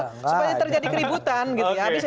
supaya terjadi keributan gitu ya